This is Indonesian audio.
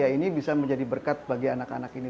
ini bisa menjadi berkat bagi anak anak ini